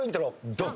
ドン！